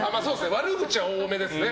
悪口は多めですね。